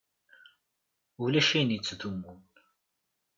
Ulac ayen yettdumun.